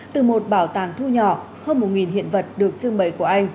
từ một bảo tàng thu nhỏ hơn một hiện vật được trưng bày của anh